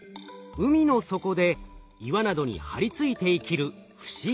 海の底で岩などに張り付いて生きる不思議な生き物。